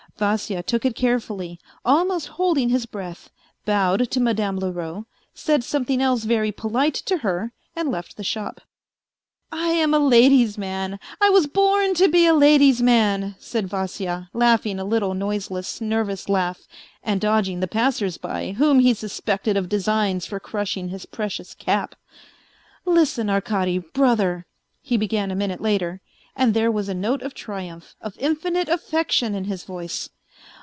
Vasya took it carefully, almost holding his breath, bowed to Madame Leroux, said something else very polite to her and left the shop. 168 A FAINT HEART " I am a lady's man, I was born to be a lady's man," said Vasya, laughing a little noiseless, nervous laugh and dodging the ">y, whom he suspected of designs for crushing his precious cap. " Listen, Arkady, brother," he began a minute later, and there was a note of triumph, of infinite affection in his voice.